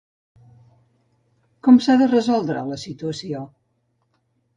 Com s'ha de resoldre la situació?